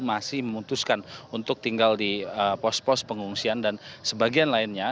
masih memutuskan untuk tinggal di pos pos pengungsian dan sebagian lainnya